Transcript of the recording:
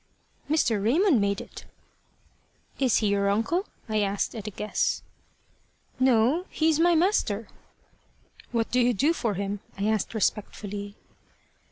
"Mr. Raymond made it." "Is he your uncle?" I asked at a guess. "No. He's my master." "What do you do for him?" I asked respectfully.